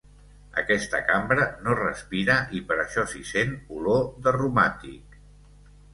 Aquesta cambra no respira i per això s'hi sent olor de romàtic.